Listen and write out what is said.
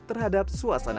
kehidupan kita gimana